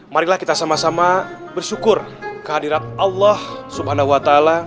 marilah kita bersyukur sama sama kehadiran allah subhanahu wa ta'ala